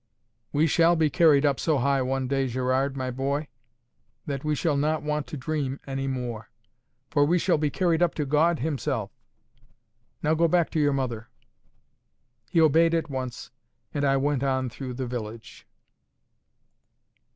"We shall be carried up so high one day, Gerard, my boy, that we shall not want to dream any more. For we shall be carried up to God himself. Now go back to your mother." He obeyed at once, and I went on through the village.